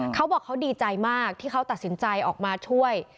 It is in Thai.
เขาบอกเขาดีใจมากที่เขาตัดสินใจออกมาช่วย